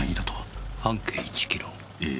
ええ。